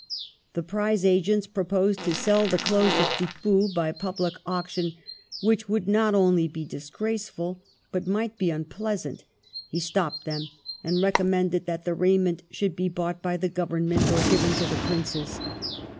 The prize agents proposed to sell the clothes of Tippoo by public auction, which would " not only be disgraceful " but might be unpleasant; he stopped them and recommended that the raiment should be bought by the Government or given to the Princes.